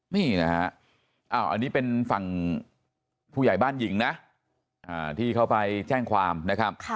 นี่นะฮะอันนี้เป็นฝั่งผู้ใหญ่บ้านหญิงนะที่เขาไปแจ้งความนะครับ